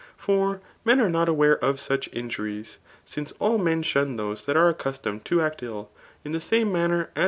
For men. are not a^we of such injuries^ since aU men shun those that are accusr toqed to act ill, in the same manner as.